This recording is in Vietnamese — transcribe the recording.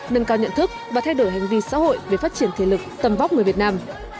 nâng cao nhận thức và thay đổi hành vi xã hội về phát triển thể lực tầm vóc người việt nam